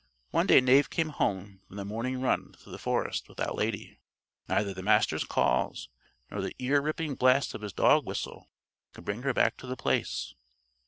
One day Knave came home from the morning run through the forest without Lady. Neither the Master's calls nor the ear ripping blasts of his dog whistle could bring her back to The Place.